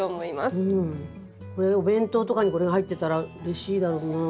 これお弁当とかにこれが入ってたらうれしいだろうな。